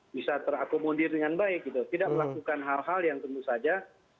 bisa terakomodir dengan baik tidak melakukan hal hal yang tentu saja